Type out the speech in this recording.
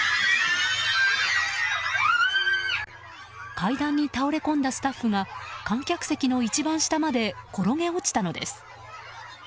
階段に倒れ込んだスタッフが観客席の一番下まで転げ落ちたのです。